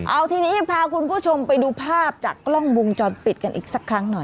เอาทีนี้พาคุณผู้ชมไปดูภาพจากกล้องวงจรปิดกันอีกสักครั้งหน่อย